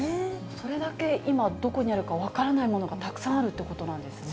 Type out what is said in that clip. それだけ今、どこにあるか分からないものがたくさんあるということなんですね。